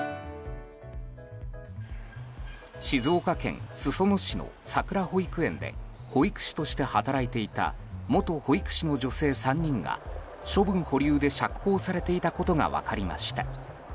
静岡県裾野市のさくら保育園で保育士として働いていた元保育士の女性３人が処分保留で釈放されていたことが分かりました。